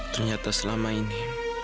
ternyata selama ini